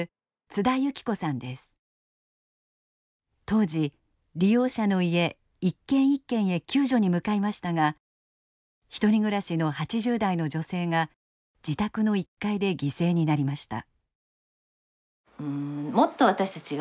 当時利用者の家一軒一軒へ救助に向かいましたが１人暮らしの８０代の女性が自宅の１階で犠牲になりました。